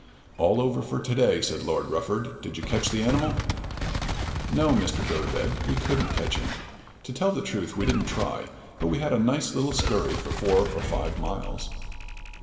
"All over for to day," said Lord Rufford. "Did you catch the animal?" "No, Mr. Gotobed; we couldn't catch him. To tell the truth we didn't try; but we had a nice little skurry for four or five miles."